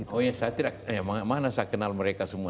oh ya saya tidak mana saya kenal mereka semua